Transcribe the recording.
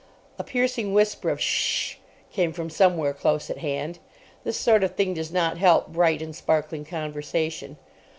A piercing whisper of "Sh h h !" came from somewhere close at hand. This sort of thing does not help bright and sparkling conversation.